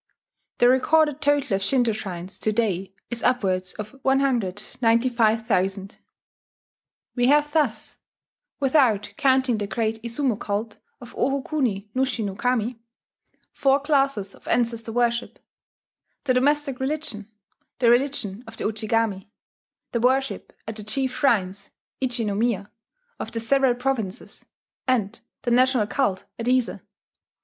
The recorded total of Shinto shrines to day is upwards of 195,000. We have thus without counting the great Izumo cult of Oho kuni nushi no Kami four classes of ancestor worship: the domestic religion, the religion of the Ujigami, the worship at the chief shrines [Ichi no miya] of the several provinces, and the national cult at Ise.